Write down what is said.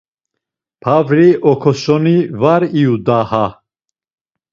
Pavri okosoni var iyu daha.